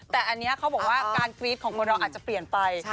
แต่อันนี้เขาบอกว่าการกรี๊ดของคนเราอาจจะเปลี่ยนไป